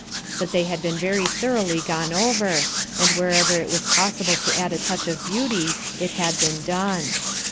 But they had been very thoroughly gone over, and where ever it was possible to add a touch of beauty, it had boon done.